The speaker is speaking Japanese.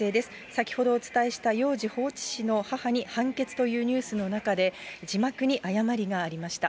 先ほどお伝えした幼児放置死の母に判決というニュースの中で、字幕に誤りがありました。